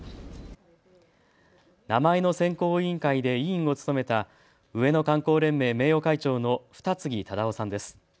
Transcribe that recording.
名前の選考委員会で委員を務めた上野観光連盟名誉会長の二木忠男さんです。